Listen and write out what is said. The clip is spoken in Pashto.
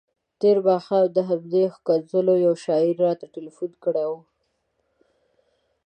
تېر ماښام د همدغو ښکنځلو یوې شاعرې راته تلیفون کړی وو.